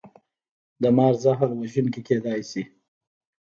د مار زهر وژونکي کیدی شي